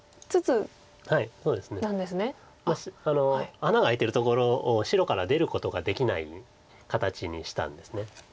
穴が開いてるところを白から出ることができない形にしたんです。